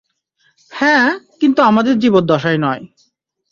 হ্যাঁ, কিন্তু আমাদের জীবদ্দশায় নয়!